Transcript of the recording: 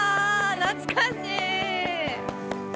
懐かしい！